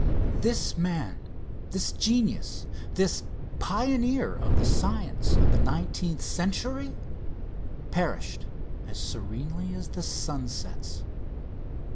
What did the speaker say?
This man, this genius, this pioneer of the science of the nineteenth century, perished as serenely as the sun sets.